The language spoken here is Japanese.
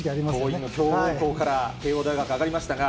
桐蔭のから慶応大学に上がりましたが。